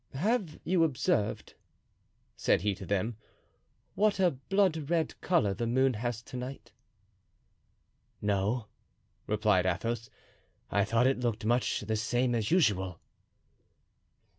"Have you observed," said he to them, "what a blood red color the moon has to night?" "No," replied Athos; "I thought it looked much the same as usual."